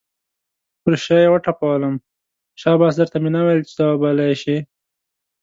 پر شا یې وټپلم، شاباس در ته مې نه ویل چې ځوابولی یې شې.